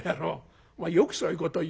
お前よくそういうことを言うね。